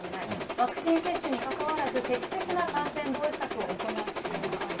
ワクチン接種に関わらず、適切な感染防止策を行う必要があると。